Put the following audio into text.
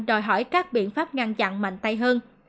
đòi hỏi các biện pháp ngăn chặn mạnh tay hơn